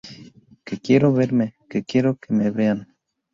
Que quiero verme, que quiero que me vean.